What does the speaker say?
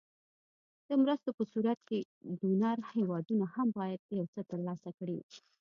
د مرستو په صورت کې ډونر هېوادونه هم باید یو څه تر لاسه کړي.